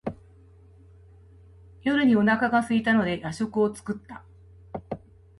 夜にお腹がすいたので夜食を作った。